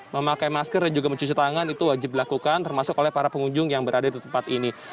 memakai masker dan juga mencuci tangan itu wajib dilakukan termasuk oleh para pengunjung yang berada di tempat ini